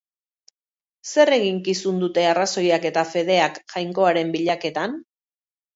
Zer eginkizun dute arrazoiak eta fedeak Jainkoaren bilaketan?